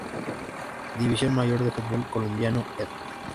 División Mayor del Fútbol Colombiano, ed.